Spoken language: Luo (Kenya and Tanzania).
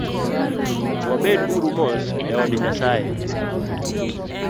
Wabed uru mos eod Nyasaye